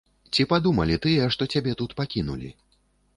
І ці падумалі тыя, што цябе тут пакінулі.